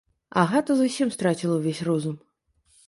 Агата зусім страціла ўвесь розум.